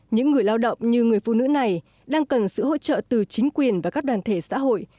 những người lao động như người phụ nữ này đang cần sự hỗ trợ từ chính quyền và các đoàn thể xã hội